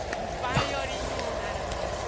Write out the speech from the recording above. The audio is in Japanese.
バイオリンにもなるんです。